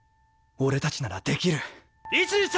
俺たちならできる。